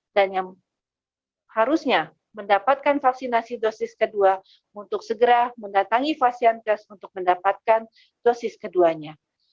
dan yang harusnya mendapatkan vaksinasi dosis kedua untuk segera mendatangi vaksinitas untuk mendapatkan dosis keduanya